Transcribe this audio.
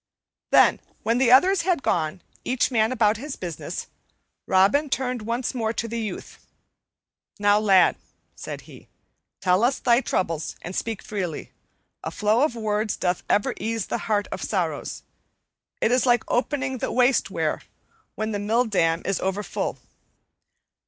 Then, when the others had gone, each man about his business, Robin turned once more to the youth. "Now, lad," said he, "tell us thy troubles, and speak freely. A flow of words doth ever ease the heart of sorrows; it is like opening the waste weir when the mill dam is overfull.